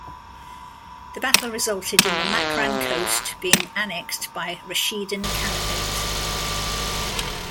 The battle resulted in the Makran coast being annexed by Rashidun Caliphate.